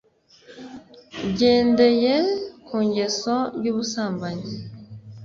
byendeye ku ngeso y’ubusambanyi: